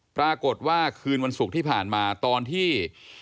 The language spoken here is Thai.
ปรากฏว่าคืนวันศุกร์ที่ผ่านมาตอนที่